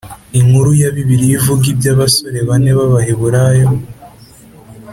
Inkuru ya Bibiliya ivuga iby abasore bane b Abaheburayo